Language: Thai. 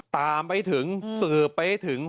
ตามไปถึงสืบไปให้ถึง